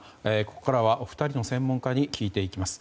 ここからはお二人の専門家に聞いていきます。